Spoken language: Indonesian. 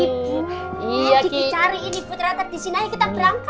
ibu ayo diki cari ini putra terdisinai kita berangkat